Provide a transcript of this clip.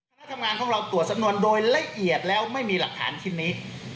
คณะทำงานของเราตรวจสำนวนโดยละเอียดแล้วไม่มีหลักฐานชิ้นนี้